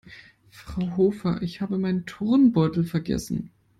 Frau Hofer, ich habe meinen Turnbeutel vergessen.